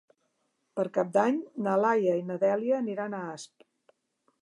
Per Cap d'Any na Laia i na Dèlia aniran a Asp.